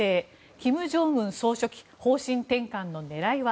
金正恩総書記方針転換の狙いは？